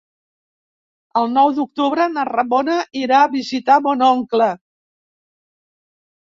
El nou d'octubre na Ramona irà a visitar mon oncle.